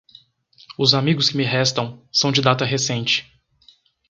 Os amigos que me restam são de data recente.